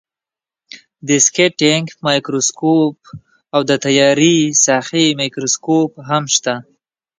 دیسکټینګ مایکروسکوپ او د تیارې ساحې مایکروسکوپ هم شته.